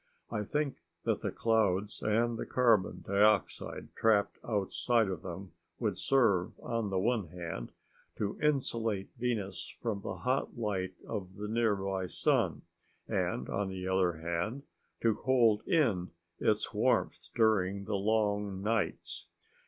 I think that the clouds and the carbon dioxide trapped outside of them would serve, on the one hand, to insulate Venus from the hot light of the nearby sun; and, on the other hand, to hold in its warmth during the long nights.